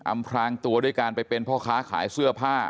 พรางตัวด้วยการไปเป็นพ่อค้าขายเสื้อผ้า